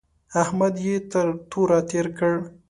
احمد يې تر توره تېر کړ.